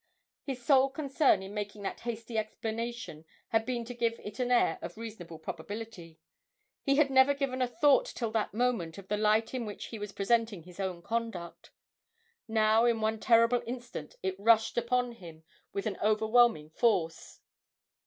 His sole concern in making that hasty explanation had been to give it an air of reasonable probability: he had never given a thought till that moment of the light in which he was presenting his own conduct. Now, in one terrible instant, it rushed upon him with an overwhelming force.